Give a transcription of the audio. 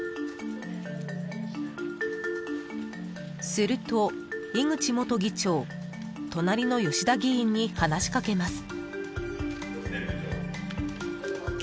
［すると井口元議長隣の吉田議員に話し掛けます］